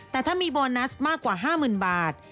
แต่ถ้ามีโบนัสมากกว่า๕๐๐๐บาท